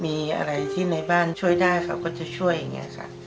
มีอะไรที่ในบ้านช่วยได้เขาก็จะช่วย